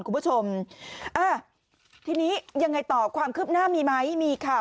คุณผู้ชมอ่าทีนี้ยังไงต่อความคืบหน้ามีไหมมีค่ะ